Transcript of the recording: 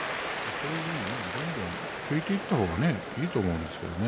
どんどん突いていった方がいいと思うんですよね。